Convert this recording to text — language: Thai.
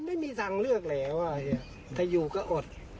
ไม่มีทางเลือกแล้วถ้าอยู่ก็อด